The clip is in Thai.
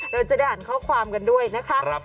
เราจะได้อ่านข้อความกันด้วยนะคะ